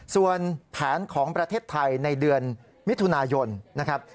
ส่วนแผนของประเทศไทยในเดือนมิถุนายนนะครับ